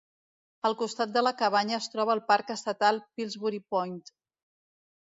Al costat de la cabanya es troba el parc estatal Pillsbury Point.